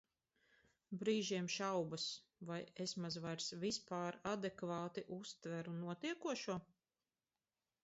Brīžiem šaubas, vai es maz vairs vispār adekvāti uztveru notiekošo?